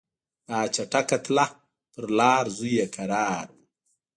دا چټکه تله پر لار زوی یې کرار وو